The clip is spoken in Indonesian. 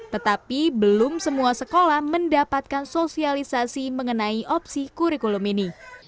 tetapi belum semua sekolah mendapatkan sosialisasi mengenai opsi kurikulumnya